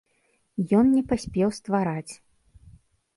Ён не паспеў ствараць.